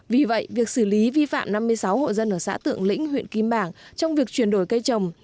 vì vậy việc xử lý vi phạm năm mươi sáu hộ dân ở xã thượng lĩnh huyện kim bảng trong việc chuyển đổi cây trồng